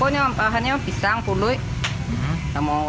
nah itu yang empuknya empahannya